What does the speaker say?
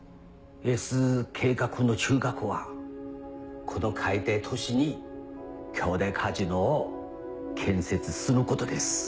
Ｓ計画の中核はこの海底都市に巨大カジノを建設することです。